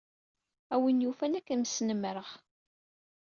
A win yufan ad kem-snemmreɣ.